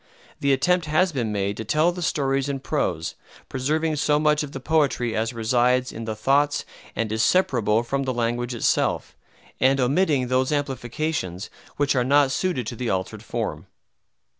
The attempt has been made to tell the stories in prose, preserving so much of the poetry as resides in the thoughts and is separable from the language itself, and omitting those amplifications which are not suited to the altered form.